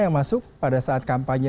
yang masuk pada saat kampanye